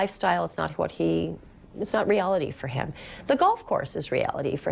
เขาก็จะเอาข้อมูลเท่าไหร่